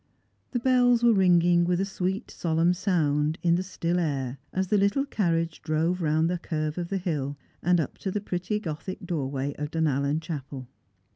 The bells were ringing with a sweet solemn sound in the still air, as the little carriage drove round the curve of the hill, and up to the pretty gothic doorway of Dunallen chapel.